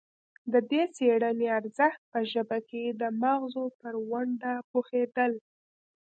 د دې څیړنې ارزښت په ژبه کې د مغزو پر ونډه پوهیدل دي